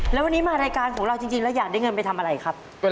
แล้ววันนี้มารายการของเราจริงแล้วอยากได้เงินไปทำอะไรครับ